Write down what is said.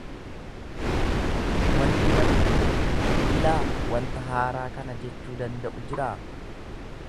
Wanti namni, ''Ilaa! Wanta haaraa kana'' jechuu danda'u jiraa?